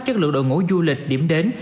chất lượng đội ngũ du lịch điểm đến